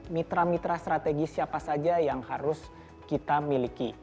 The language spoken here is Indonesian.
mitra mitra strategis siapa saja yang harus kita miliki